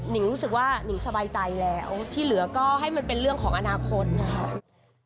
งรู้สึกว่านิงสบายใจแล้วที่เหลือก็ให้มันเป็นเรื่องของอนาคตนะคะ